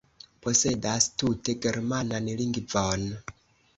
posedas tute germanan lingvon.